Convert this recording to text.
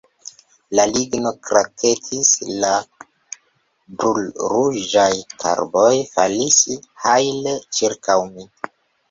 La ligno kraketis; la brulruĝaj karboj falis hajle ĉirkaŭ mi.